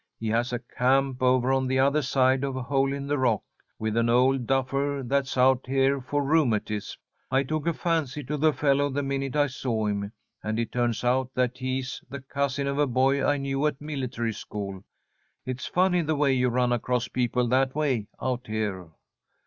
He has a camp over on the other side of Hole in the Rock, with an old duffer that's out here for rheumatism. I took a fancy to the fellow the minute I saw him, and it turns out that he's the cousin of a boy I knew at military school. It's funny the way you run across people that way out here."